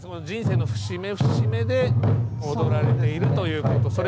人生の節目、節目で踊られているということ。